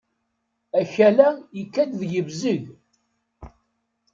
Akal-a ikad-d yebzeg.